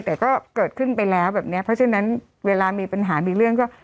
แต่ก็เกิดขึ้นไปแล้วแบบเนี้ยเพราะฉะนั้นเวลามีปัญหามีเรื่องก็